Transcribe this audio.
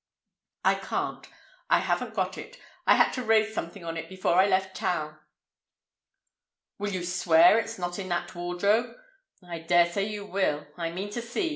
"I can't. I haven't got it. I had to raise something on it before I left town." "Will you swear it's not in that wardrobe? I dare say you will. I mean to see.